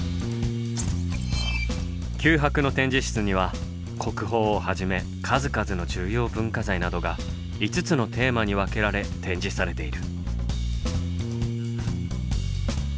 九博の展示室には国宝をはじめ数々の重要文化財などが５つのテーマにわけられ展示されている。